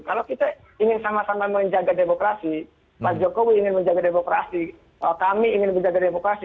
kalau kita ingin sama sama menjaga demokrasi pak jokowi ingin menjaga demokrasi kami ingin menjaga demokrasi